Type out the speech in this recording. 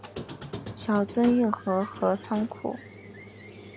小樽运河和仓库